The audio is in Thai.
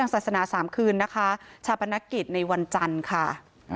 ก็อยากจะไปมันต้องของปู่